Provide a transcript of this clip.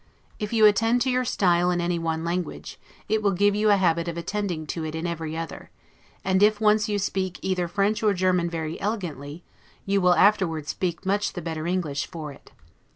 If you attend to your style in any one language, it will give you a habit of attending to it in every other; and if once you speak either French or German very elegantly, you will afterward speak much the better English for it.